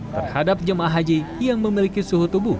terhadap jemaah haji yang memiliki suhu tubuh